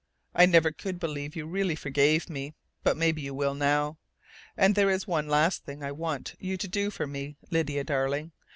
I never could believe you really forgave me, but maybe you will now. And there is one last thing I want you to do for me, Lydia darling.